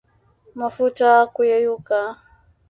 Mafuta kuyeyuka